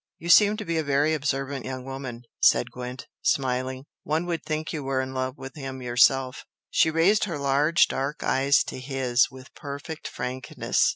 "You seem to be a very observant young woman," said Gwent, smiling "One would think you were in love with him yourself!" She raised her large dark eyes to his with perfect frankness.